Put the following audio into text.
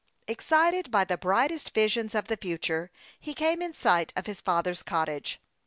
Excited by the brightest visions of the future, he came in sight of his father's cottage.